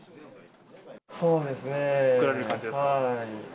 そうですね。